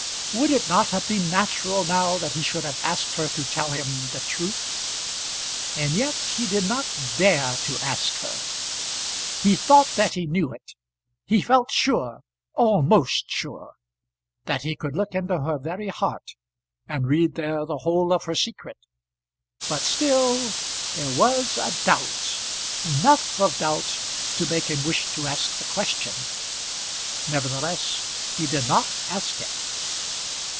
Would it not have been natural now that he should have asked her to tell him the truth? And yet he did not dare to ask her. He thought that he knew it. He felt sure, almost sure, that he could look into her very heart, and read there the whole of her secret. But still there was a doubt, enough of doubt to make him wish to ask the question. Nevertheless he did not ask it.